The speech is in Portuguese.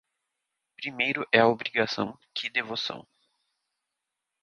Primeiro é a obrigação que devoção.